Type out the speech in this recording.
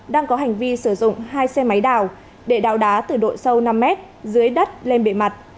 đang có hành vi sử dụng hai xe máy đào để đào đá từ độ sâu năm mét dưới đất lên bề mặt